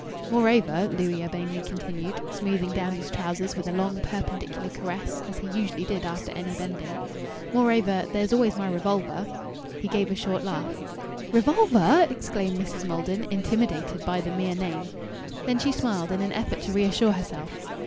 "Moreover," Louis urbanely continued, smoothing down his trousers with a long perpendicular caress as he usually did after any bending "moreover, there's always my revolver." He gave a short laugh. "Revolver!" exclaimed Mrs. Maldon, intimidated by the mere name. Then she smiled, in an effort to reassure herself.